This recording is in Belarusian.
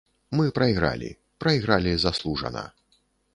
Мы прайгралі, прайгралі заслужана.